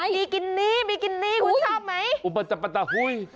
บีกินี่คุณชอบไหม